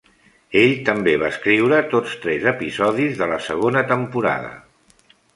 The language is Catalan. Ell també va escriure tots tres episodis de la segona temporada.